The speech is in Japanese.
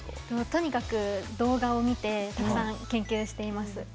とにかく動画を見てたくさん研究しています。